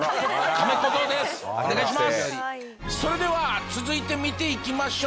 それでは続いて見ていきましょう！